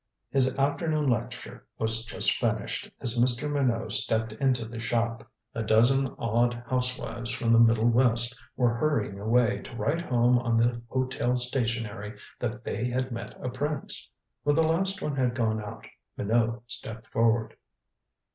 His afternoon lecture was just finished as Mr. Minot stepped into the shop. A dozen awed housewives from the Middle West were hurrying away to write home on the hotel stationery that they had met a prince. When the last one had gone out Minot stepped forward.